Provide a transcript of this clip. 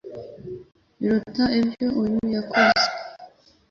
biruta ibyo uyu yakoze?"